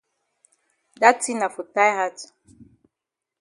Da tin na for tie hat.